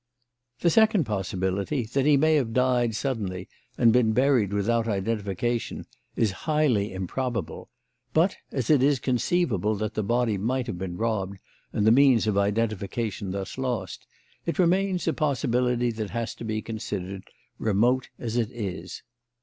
"The second possibility, that he may have died suddenly and been buried without identification, is highly improbable; but, as it is conceivable that the body might have been robbed and the means of identification thus lost, it remains as a possibility that has to be considered, remote as it is.